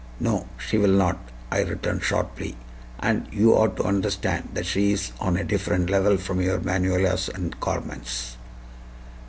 "No; she will not," I returned sharply; "and you ought to understand that she is on a different level from your Manuelas and Carmens."